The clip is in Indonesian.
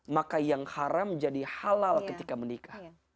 maka yang haram jadi halal ketika menikah